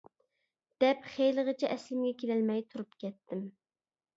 دەپ خېلىغىچە ئەسلىمگە كېلەلمەي تۇرۇپ كەتتىم.